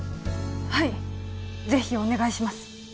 はいぜひお願いします